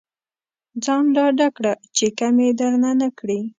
ځان ډاډه کړه چې کمې درنه نه کړي.